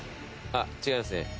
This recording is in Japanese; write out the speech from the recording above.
あっ違いますね。